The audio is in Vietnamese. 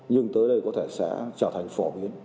nhưng tới đây có thể sẽ trở thành